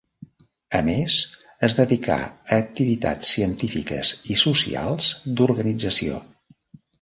A més, es dedicà a activitats científiques i socials d'organització.